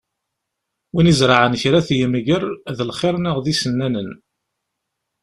Win izerεen kra ad t-yemger, d lxir neɣ d isennanan.